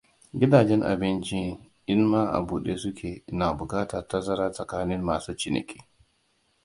Gidajen abinci in ma a bude suke na bukatar tazara tsakanin masu ciniki.